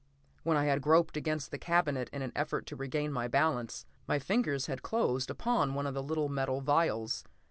When I had groped against the cabinet in an effort to regain my balance, my fingers had closed upon one of the little metal vials.